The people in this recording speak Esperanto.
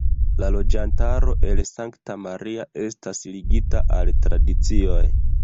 La loĝantaro el Sankta Maria estas ligita al tradicioj.